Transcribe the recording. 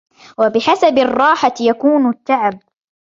وَبِحَسَبِ الرَّاحَةِ يَكُونُ التَّعَبُ